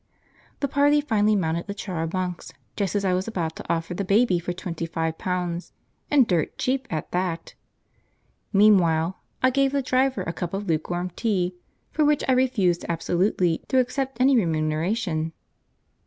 The party finally mounted the char a bancs, just as I was about to offer the baby for twenty five pounds, and dirt cheap at that. Meanwhile I gave the driver a cup of lukewarm tea, for which I refused absolutely to accept any remuneration.